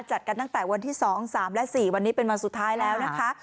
จัดกันตั้งแต่วันที่๒๓และ๔วันนี้เป็นวันสุดท้ายแล้วนะคะ